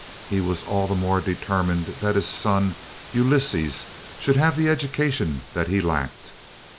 He was all the more determined that his son, Ulysses, should have the education that he lacked.